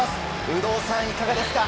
有働さん、いかがですか？